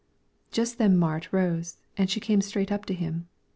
Just then Marit rose, and she came straight to him.